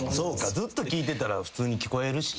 ずっと聞いてたら普通に聞こえるしな。